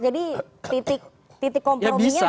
jadi titik kompromisnya